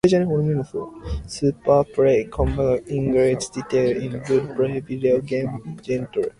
"Super Play" covered in great detail the role-playing video game genre.